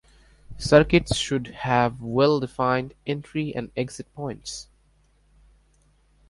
Circuits should have well defined entry and exit points.